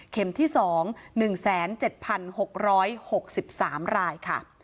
เข็มที่๒๑๗๖๖๓รายค่ะ